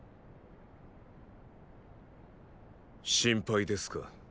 心配ですか。